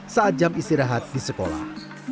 saat jam istirahat di sekolah